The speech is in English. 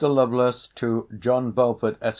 LOVELACE, TO JOHN BELFORD, ESQ.